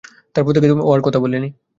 তারপর থেকে ও আর কথা বলেনি।